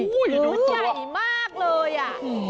ใหญ่มากเลยอ่ะ